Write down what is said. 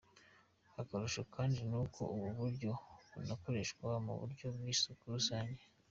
Akarusho kandi ni uko ubu buryo bunakoreshwa mu buryo bw’isuku rusange.